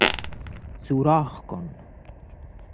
سوراخ کن